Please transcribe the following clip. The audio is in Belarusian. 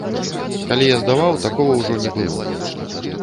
Калі я здаваў, такога ўжо не было.